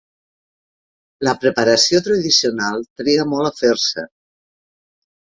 La preparació tradicional triga molt a fer-se.